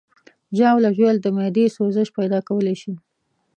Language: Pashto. ژاوله ژوول د معدې سوزش پیدا کولی شي.